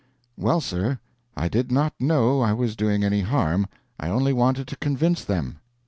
"Well, sir, I did not know I was doing any harm. I only wanted to convince them."